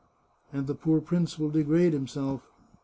" And the poor prince will degrade himself."